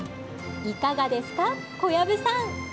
いかがですか、小籔さん。